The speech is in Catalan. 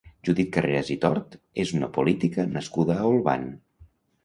Judit Carreras i Tort és una política nascuda a Olvan.